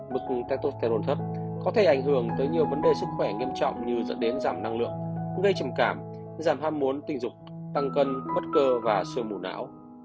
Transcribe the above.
bức tetosterone thất có thể ảnh hưởng tới nhiều vấn đề sức khỏe nghiêm trọng như dẫn đến giảm năng lượng gây trầm cảm giảm ham muốn tình dục tăng cân bất cơ và sơ mù não